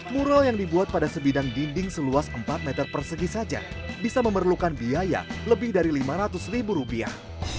mural yang dibuat pada sebidang dinding seluas empat meter persegi saja bisa memerlukan biaya lebih dari lima ratus ribu rupiah